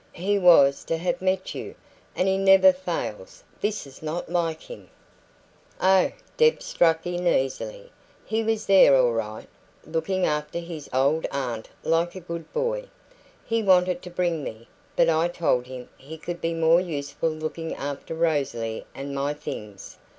"He was to have met you. And he never fails this is not like him " "Oh," Deb struck in easily, "he was there all right, looking after his old aunt like a good boy. He wanted to bring me, but I told him he could be more useful looking after Rosalie and my things.